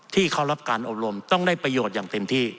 ที่เขารับการอบรมต้องได้ประโยชน์อย่างเต็มที่